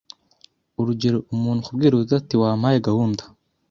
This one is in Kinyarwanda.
Urugero umuntu kubwira undi ati wampaye gahunda